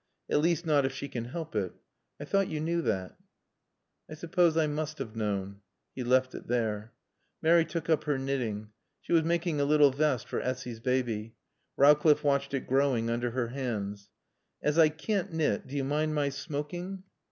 At least not if she can help it. I thought you knew that." "I suppose I must have known." He left it there. Mary took up her knitting. She was making a little vest for Essy's baby. Rowcliffe watched it growing under her hands. "As I can't knit, do you mind my smoking?"